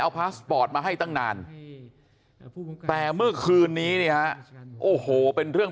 พาสปอร์ตมาให้ตั้งนานแต่เมื่อคืนนี้เนี่ยฮะโอ้โหเป็นเรื่อง